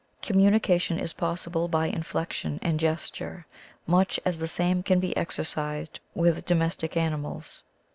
Com munication is possible by inflexion and ges ture, much as the same can be exercised with domestic animals.